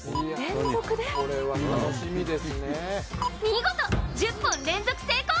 見事、１０本連続成功。